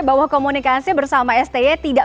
bahwa komunikasi bersama sti tidak